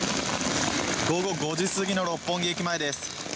午後５時過ぎの六本木駅前です。